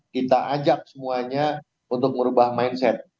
kita ajak semuanya untuk merubah mindset